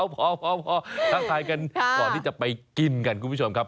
พอท้าทายกันก่อนที่จะไปกินกันคุณผู้ชมครับ